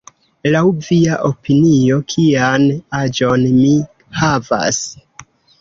Laŭ via opinio, kian aĝon mi havas?